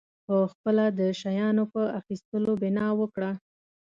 پخپله د شیانو په اخیستلو بنا وکړه.